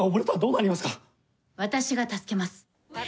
私が助けます。